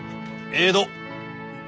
江戸？